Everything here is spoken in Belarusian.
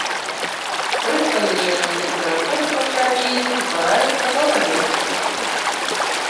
Пры паніжэнні тэмпературы пасля адлігі ўтвараецца галалёдзіца.